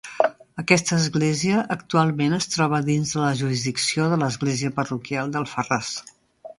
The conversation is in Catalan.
Aquesta església actualment es troba dins de la jurisdicció de l'Església parroquial d'Alfarràs.